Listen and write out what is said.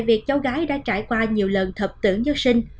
việc cháu gái đã trải qua nhiều lần thập tưởng nhất sinh